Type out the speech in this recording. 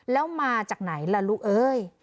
แล้วมาจากไหนล่ะลูกเอ้ย